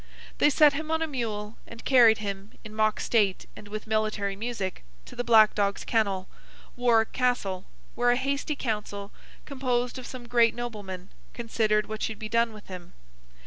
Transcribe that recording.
They set him on a mule, and carried him, in mock state and with military music, to the black dog's kennel—Warwick Castle—where a hasty council, composed of some great noblemen, considered what should be done with him.